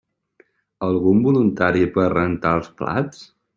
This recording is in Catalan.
Algun voluntari per rentar els plats?